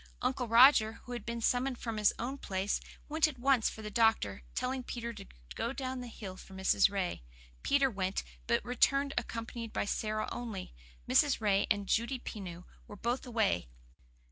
Uncle Roger, who had been summoned from his own place, went at once for the doctor, telling Peter to go down the hill for Mrs. Ray. Peter went, but returned accompanied by Sara only. Mrs. Ray and Judy Pineau were both away.